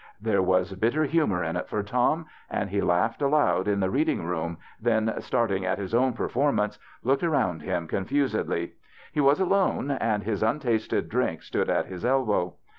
There was bit ter humor in it for Tom, and he laughed aloud in the reading room, then, starting at his own performance, looked around him confusedly. He was alone, and his untasted drink stood at his elbow.